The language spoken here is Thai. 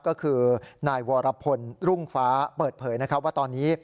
ก็คือนายวรพลรุ่งฟ้าเปิดเผยนะครับว่าตอนนี้